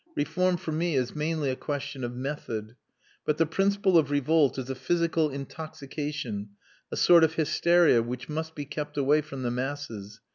Reform for me is mainly a question of method. But the principle of revolt is a physical intoxication, a sort of hysteria which must be kept away from the masses.